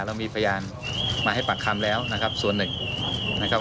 เรามีพยานมาให้ปากคำแล้วนะครับส่วนหนึ่งนะครับ